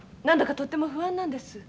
何だかとっても不安なんです。